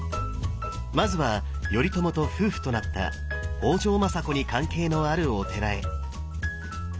まずは頼朝と夫婦となった北条政子に関係のあるお寺へ。